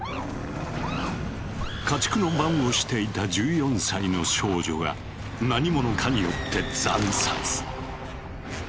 家畜の番をしていた１４歳の少女が何ものかによって惨殺。